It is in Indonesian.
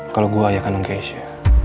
kalau gue ayah kanong ke asia